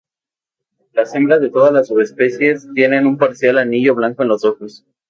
Las hembras de todas las subespecies tienen un parcial anillo blanco en los ojos.